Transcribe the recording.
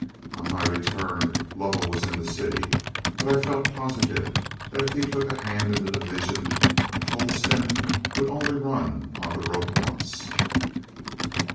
On my return Lovell was in the city, but I felt positive that if he took a hand in the division, Tolleston would only run on the rope once.